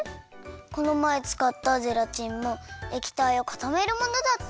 このまえつかったゼラチンもえきたいをかためるものだったよね？